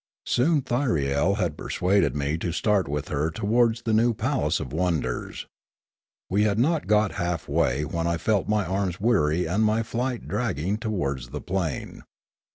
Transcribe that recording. Soon Thyriel had persuaded me to start with her towards the new palace of wonders. We had not got half way when I felt my arms weary and my flight dragging towards the plain.